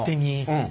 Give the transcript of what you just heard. うん。